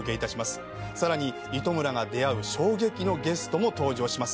さらに糸村が出会う衝撃のゲストも登場します。